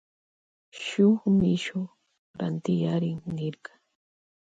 Shuk mishu rantiyarin nirka.